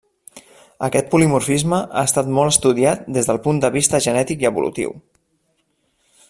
Aquest polimorfisme ha estat molt estudiat des del punt de vista genètic i evolutiu.